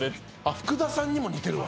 福田さんにも似てるわ。